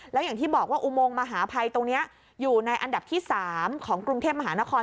แล้วอย่างที่บอกว่าอุโมงมหาภัยตรงนี้อยู่ในอันดับที่๓ของกรุงเทพมหานคร